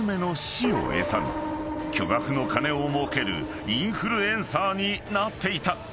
［巨額の金をもうけるインフルエンサーになっていた］